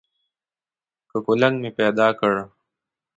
که کولنګ مې پیدا کړ.